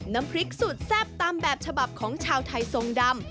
น้ำพริกสุดแซ่บตามแบบฉบับของชาวไทยทรงดำ